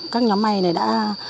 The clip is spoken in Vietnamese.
các nhóm may này đã